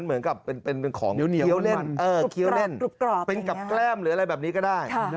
เหมือนกับเป็นของเล่นเคี้ยวเล่นเป็นกับแกล้มหรืออะไรแบบนี้ก็ได้